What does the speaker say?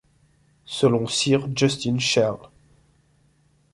Selon Sir Justin Sheil.